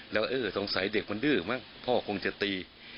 แล้วเออสงสัยเด็กมันดื้อมั้งพ่อคงจะตี